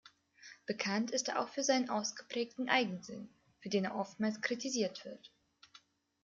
Bekannt ist er auch für seinen ausgeprägten Eigensinn, für den er oftmals kritisiert wird.